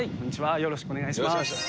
よろしくお願いします。